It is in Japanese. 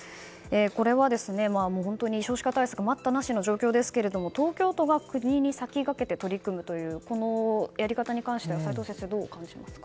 これは、少子化対策待ったなしの状況ですけれども東京都が国に先駆けて取り組むというこのやり方に関しては齋藤先生、どう思いますか？